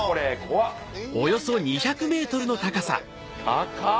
高っ！